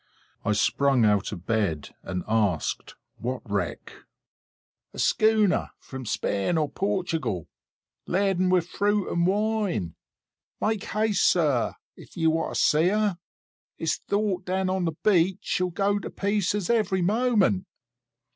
I sprung out of bed, and asked what wreck? "A schooner, from Spain or Portugal, laden with fruit and wine. Make haste, sir, if you want to see her! It's thought down on the beach, she'll go to pieces every moment."